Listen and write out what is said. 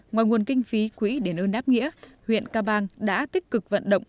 ngoài nguồn kinh phí quỹ để ơn đáp nghĩa huyện cà bang đã tích cực vận động